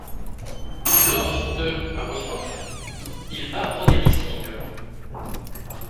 Lors de ', il bat Roderick Strong.